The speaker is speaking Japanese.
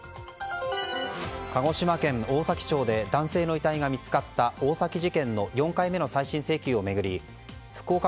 鹿児島県大崎町で男性の遺体が見つかった大崎事件の４回目の再審請求を巡り福岡